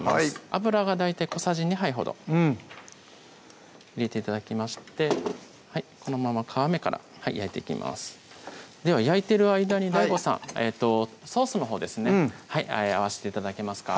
油が大体小さじ２杯ほど入れて頂きましてこのまま皮目から焼いていきますでは焼いてる間にＤＡＩＧＯさんソースのほうですね合わせて頂けますか？